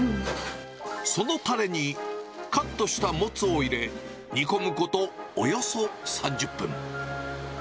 そのたれに、カットしたモツを入れ、煮込むことおよそ３０分。